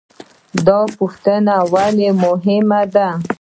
دا پوښتنې ولې مهمې دي؟